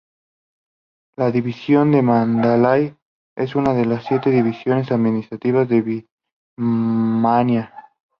La división de Mandalay es una de las siete divisiones administrativas de Birmania.